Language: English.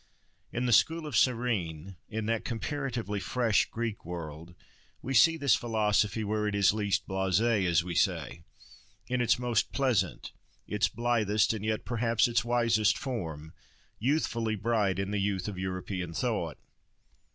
In the school of Cyrene, in that comparatively fresh Greek world, we see this philosophy where it is least blasé, as we say; in its most pleasant, its blithest and yet perhaps its wisest form, youthfully bright in the youth of European thought.